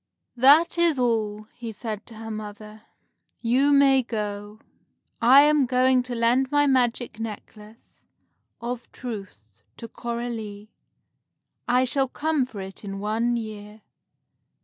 "That is all," he said to her mother. "You may go. I am going to lend my magic necklace of truth to Coralie. I shall come for it in one year."